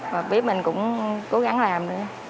bếp mình cũng cố gắng làm